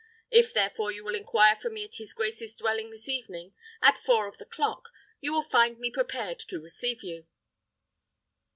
If, therefore, you will inquire for me at his grace's dwelling this evening, at four of the clock, you will find me prepared to receive you."